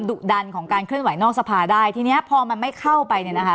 ดุดันของการเคลื่อนไหวนอกสภาได้ทีนี้พอมันไม่เข้าไป